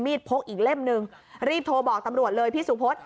พกอีกเล่มนึงรีบโทรบอกตำรวจเลยพี่สุพศ